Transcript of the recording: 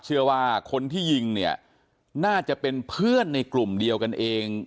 เชื่อว่าคนที่ยิงเนี่ยน่าจะเป็นเพื่อนในกลุ่มเดียวกันเอง